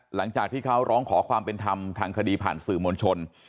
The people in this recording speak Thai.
หลังจากที่เขาร้องขอความเป็นธรรมทางคดีผ่านสื่อมวลชน